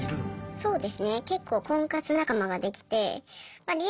そうです。